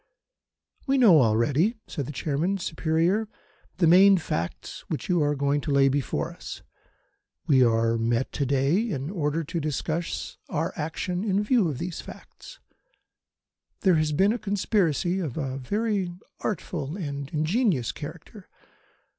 "We know already," said the Chairman, superior, "the main facts which you are going to lay before us. We are met to day in order to discuss our action in view of these facts. There has been a conspiracy of a very artful and ingenious character.